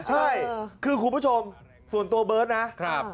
ใช่คือคุณผู้ชมส่วนตัวเบิร์ตนะครับ